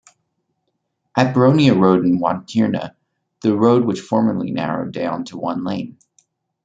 At Boronia Road in Wantirna, the road which formerly narrowed down to one lane.